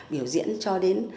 biểu diễn cho đến